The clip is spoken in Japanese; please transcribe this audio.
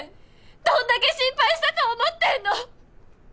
どんだけ心配したと思ってんの！